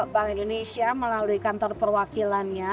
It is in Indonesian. bank indonesia melalui kantor perwakilannya